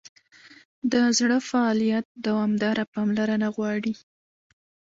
د زړه فعالیت دوامداره پاملرنه غواړي.